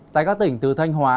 tại các tỉnh từ thanh hóa